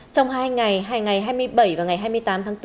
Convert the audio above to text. trong hai ngày hai ngày hai mươi bảy và ngày hai mươi tám tháng bốn